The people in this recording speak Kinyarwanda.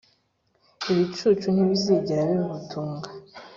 Ibicucu ntibizigera bibutunga,